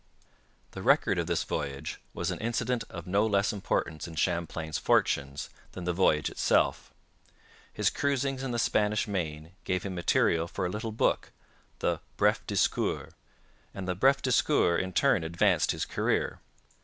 The record of this voyage was an incident of no less importance in Champlain's fortunes than the voyage itself. His cruisings in the Spanish Main gave him material for a little book, the Bref Discours; and the Bref Discours in turn advanced his career.